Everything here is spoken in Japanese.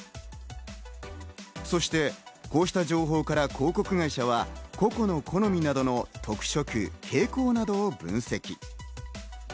そして、こうした情報から広告会社は個々の好みなどの特色、傾向などを分析。